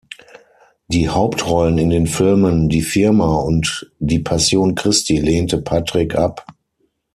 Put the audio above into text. Die Hauptrollen in den Filmen "Die Firma" und "Die Passion Christi" lehnte Patric ab.